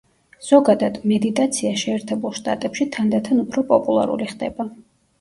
ზოგადად, მედიტაცია შეერთებულ შტატებში თანდათან უფრო პოპულარული ხდება.